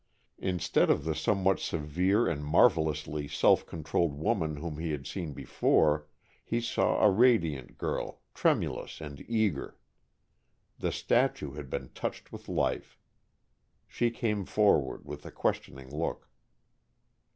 Instead of the somewhat severe and marvellously self controlled woman whom he had seen before, he saw a radiant girl, tremulous and eager. The statue had been touched with life. She came forward with a questioning look.